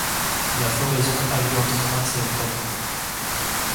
La floraison a lieu entre mars et octobre.